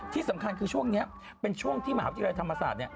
ที่สำคัญคือช่วงนี้เป็นช่วงที่มหาวิทยาลัยธรรมศาสตร์